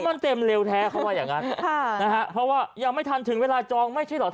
มันเต็มเร็วแท้เพราะว่ายังงั้นยังไม่ทันถึงเวลาจองไม่ใช่เหรอ